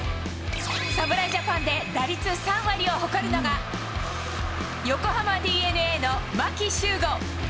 侍ジャパンで打率３割を誇るのが、横浜ＤｅＮＡの牧秀悟。